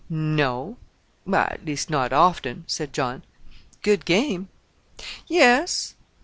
"No; at least not often," said John. "Good game." "Yes."